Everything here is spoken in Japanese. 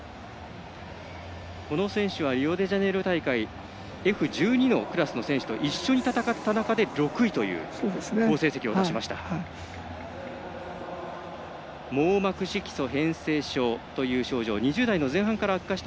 この選手はリオデジャネイロ大会Ｆ１２のクラスの選手と一緒に戦った中で６位という好成績を残しました。